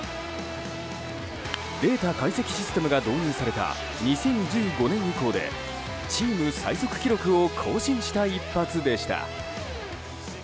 データ解析システムが導入された２０１５年以降でチーム最速記録を更新した一発でした。